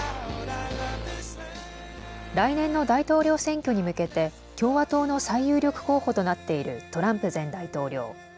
来年の大統領選挙に向けて共和党の最有力候補となっているトランプ前大統領。